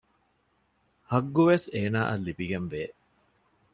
ޙައްޤުވެސް އޭނާއަށް ލިބިގެންވޭ